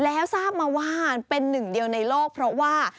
แล้วทราบมาว่าเป็นหนึ่งเดียวในโลกเพราะว่า